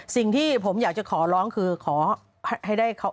สิ่งที่ผมอยากจะขอร้องคือขอให้ได้เขา